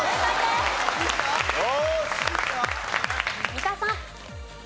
三田さん。